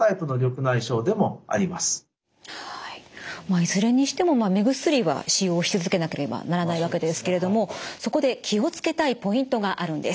いずれにしても目薬は使用し続けなければならないわけですけれどもそこで気を付けたいポイントがあるんです。